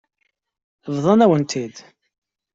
Bḍan-awen-t-id.